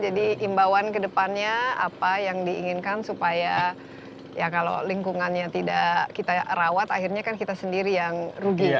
jadi imbauan kedepannya apa yang diinginkan supaya ya kalau lingkungannya tidak kita rawat akhirnya kan kita sendiri yang rugi